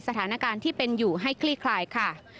สถานการณ์ที่เป็นอยู่ให้คลี่คลายค่ะ